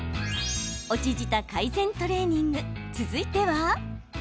落ち舌改善トレーニング続いては。